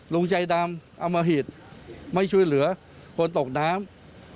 ลุงใจดำเอามาผิดไม่ช่วยเหลือคนตกน้ำ